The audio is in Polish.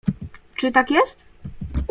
"Czy tak jest?"